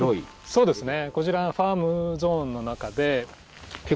そうですね。